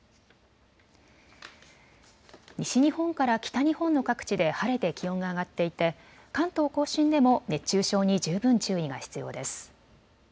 西日本から北日本の各地で晴れて気温が上がっていて関東甲信でも熱中症に十分注意が必要です。